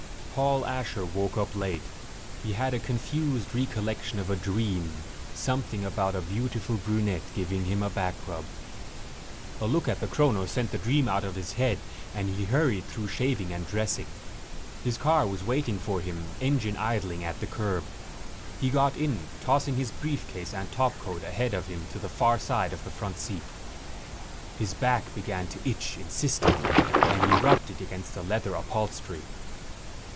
Paul Asher woke up late. He had a confused recollection of a dream. Something about a beautiful brunette giving him a backrub. A look at the chrono sent the dream out of his head and he hurried through shaving and dressing. His car was waiting for him, engine idling, at the curb. He got in, tossing his briefcase and topcoat ahead of him to the far side of the front seat. His back began to itch, insistently, and he rubbed it against the leather upholstery.